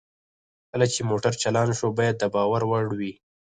کله چې موټر چالان شو باید د باور وړ وي